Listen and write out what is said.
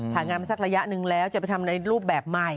ผ่านงานมาสักระยะหนึ่งแล้วจะไปทำในรูปแบบใหม่